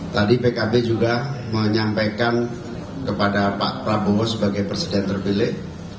tadi pkb juga menyampaikan kepada pak prabowo sebagai presiden terpilih